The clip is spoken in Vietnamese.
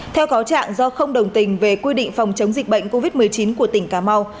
theo cáo trạng do không đồng tình về quy định phòng chống dịch bệnh covid một mươi chín của tỉnh cà mau